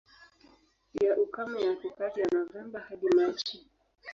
Ya ukame yako kati ya Novemba hadi Machi.